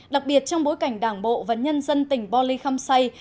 đặc biệt trong bối cảnh đảng bộ và nhân dân tỉnh bò lì khăm xây